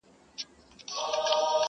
چي ډاکټر ورته کتله وارخطا سو،